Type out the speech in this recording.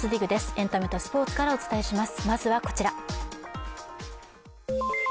エンタメとスポーツからお伝えします。